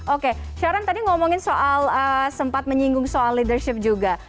oke sharon tadi ngomongin soal sempat menyinggung soal leadership juga